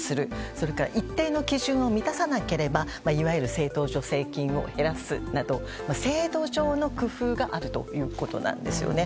それから一定の基準を満たさなければいわゆる政党助成金を減らすなど制度上の工夫があるということなんですよね。